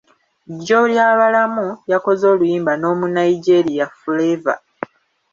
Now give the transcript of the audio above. Jjolyabalamu, yakoze oluyimba n'Omunayigeria Flavour